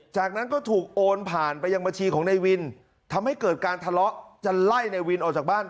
จากนั้นก็ถูกโอนผ่านไปยังบัญชีของนายวินทำให้เกิดการทะเลาะจะไล่ในวินออกจากบ้าน